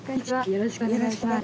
よろしくお願いします。